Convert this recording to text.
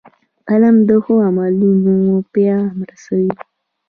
قلم د ښو عملونو پیغام رسوي